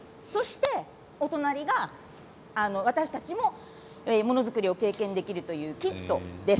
お隣が私たちも、ものづくりを経験できるというキットです。